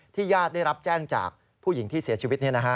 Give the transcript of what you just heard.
ญาติได้รับแจ้งจากผู้หญิงที่เสียชีวิต